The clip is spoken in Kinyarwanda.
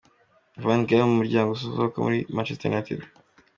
Van Gaal mu muryango usohoka muri Manchester United.